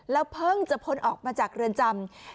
เพิ่งจะพ้นออกมาจากเรือนจำ